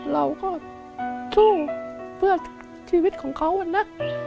เราก็สู้เพื่อชีวิตของเขานะ